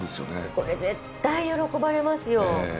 これ絶対喜ばれますよ。